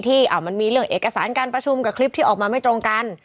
ที่มีเรื่องเอกสารการประชุมกับคลิปที่ออกมาไม่ตรงกัน